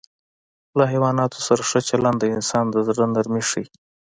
له حیواناتو سره ښه چلند د انسان د زړه نرمي ښيي.